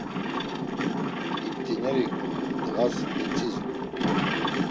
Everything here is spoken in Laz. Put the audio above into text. İp̌t̆ineri ndğas etzizgu.